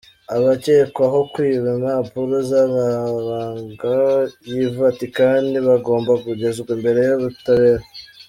Abakekwaho kwiba impapuro z’amabanga y’i Vatikani bagomba kugezwa imbere y’ubutabera